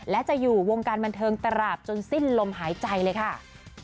และจะอยู่วงการบันเทิงตราบจนสิ้นลมหายใจเลยค่ะ